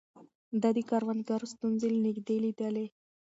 ده د کروندګرو ستونزې له نږدې ليدلې.